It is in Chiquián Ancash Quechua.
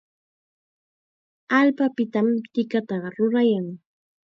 Allpapitam tikataqa rurayan.